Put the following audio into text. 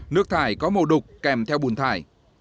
nước thải có màu đục kèm theo bùn thải